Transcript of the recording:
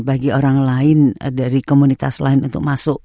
bagi orang lain dari komunitas lain untuk masuk